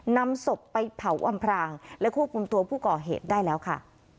นำศพไปเผาอำพรางและควบคุมตัวผู้ก่อเหตุได้แล้วค่ะ